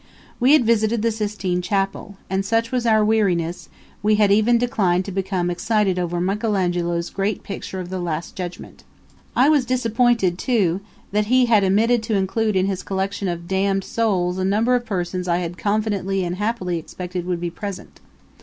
We had visited the Sistine Chapel; and, such was our weariness, we had even declined to become excited over Michelangelo's great picture of the Last Judgment. I was disappointed, too, that he had omitted to include in his collection of damned souls a number of persons I had confidently and happily expected would be present.